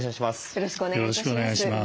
よろしくお願いします。